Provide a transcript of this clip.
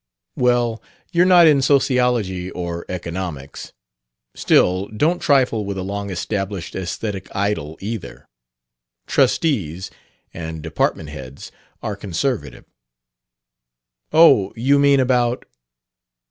"Well, you're not in Sociology or Economics. Still, don't trifle with a long established aesthetic idol either. Trustees and department heads are conservative." "Oh, you mean about